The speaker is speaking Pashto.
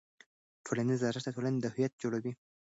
ټولنیز ارزښت د ټولنې هویت جوړوي.